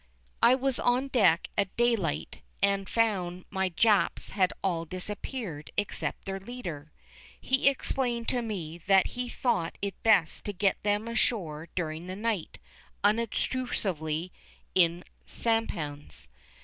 I was on deck at daylight and found my Japs had all disappeared except their leader. He explained to me that he thought it best to get them ashore during the night unobtrusively in sampans.